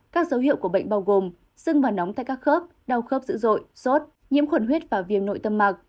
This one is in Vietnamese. các dấu hiệu của bệnh bao gồm sưng và nóng tại các khớp đau khớp dữ dội sốt nhiễm khuẩn huyết và viêm nội tâm mạc